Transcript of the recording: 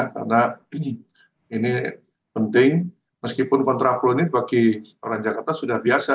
karena ini penting meskipun kontraflow ini bagi orang jakarta sudah biasa